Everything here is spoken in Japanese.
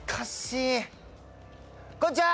こんにちは！